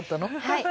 はい。